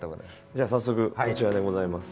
じゃあ早速こちらでございます。